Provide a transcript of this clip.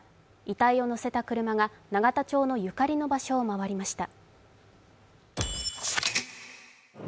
遺体を乗せた車が永田町のゆかりの場所を巡りました。